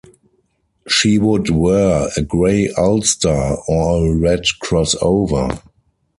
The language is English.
She would wear a grey ulster or a red crossover.